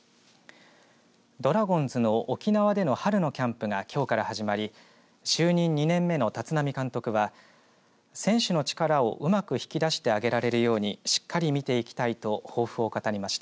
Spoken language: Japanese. ドラゴンズの沖縄での春のキャンプがきょうから始まり就任２年目の立浪監督は選手の力をうまく引き出してあげられるようにしっかり見ていきたいと抱負を語りました。